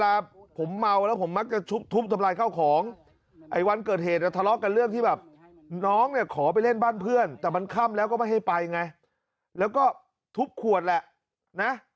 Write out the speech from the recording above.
อัมมั่นข้ำแล้วก็ไม่ให้ไปไงแล้วก็ทุบขวดแหละนะ